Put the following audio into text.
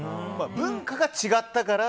文化が違ったから。